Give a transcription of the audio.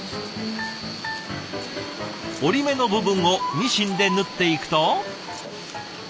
折り目の部分をミシンで縫っていくと。